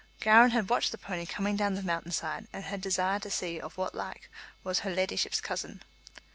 Gowran had watched the pony coming down the mountain side, and had desired to see of what like was "her leddyship's" cousin.